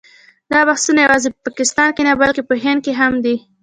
دا بحثونه یوازې په پاکستان کې نه بلکې په هند کې هم دي.